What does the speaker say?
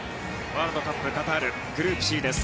ワールドカップカタールグループＣです。